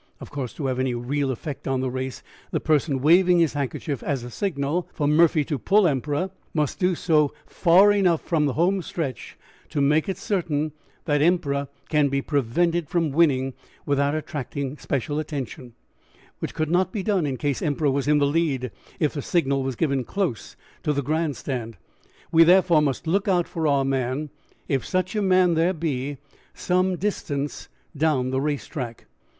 Of course, to have any real effect on the race, the person waving his handkerchief as a signal for Murphy to 'pull' Emperor must do so far enough from the home stretch to make it certain that Emperor can be prevented from winning without attracting especial attention, which could not be done in case Emperor was in the lead if the signal was given close to the Grand Stand. We, therefore, must look out for our man, if such a man there be, some distance down the race track.